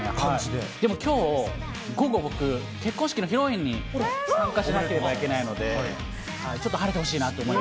でも、きょう、午後、僕、結婚式の披露宴に参加しなければいけないので、ちょっ晴れてほしい。